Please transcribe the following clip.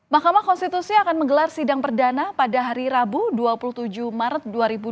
mahkamah konstitusi akan menggelar sidang perdana pada hari rabu dua puluh tujuh maret dua ribu dua puluh